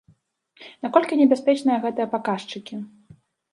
Наколькі небяспечныя гэтыя паказчыкі?